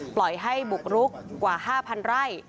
ปล่อยให้บุกรุกกว่า๕๐๐ไร่